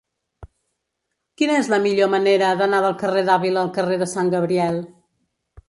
Quina és la millor manera d'anar del carrer d'Àvila al carrer de Sant Gabriel?